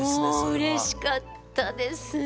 もううれしかったですね！